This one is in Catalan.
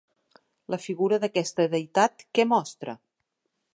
La figura d'aquesta deïtat, què mostra?